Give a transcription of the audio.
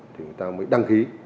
thì người ta mới đăng ký